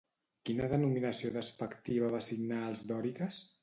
Quina denominació despectiva va assignar als dòriques?